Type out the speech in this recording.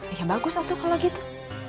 iya bagus tuh kalau gitu